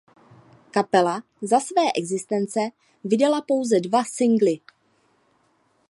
Kapela za své existence vydala pouze dva singly.